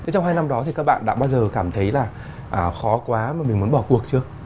trong hai năm đó thì các bạn đã bao giờ cảm thấy là khó quá mà mình muốn bỏ cuộc chưa